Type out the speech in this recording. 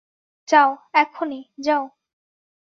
যাও, এখনি, যাও।